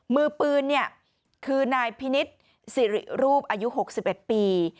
มือปืนเนี่ยคือนายพินิษฐ์สิริรูปอายุ๖๑ปี